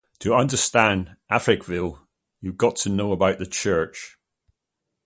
To understand Africville, you got to know about the church.